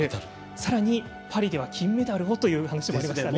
さらにパリでは金メダルをという話でしたね。